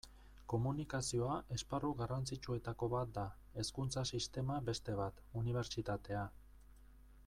Komunikazioa esparru garrantzitsuetako bat da, hezkuntza sistema beste bat, unibertsitatea...